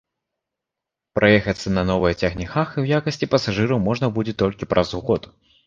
Праехацца на новых цягніках у якасці пасажыра можна будзе толькі праз год.